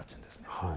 はい。